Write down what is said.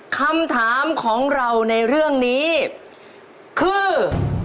คำถามของเราในเรื่องนี้คือ